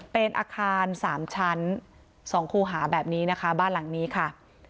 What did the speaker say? เป็นอาคาร๓ชั้น๒คู่หาแบบนี้นะคะบ้านหลังนี้ค่ะ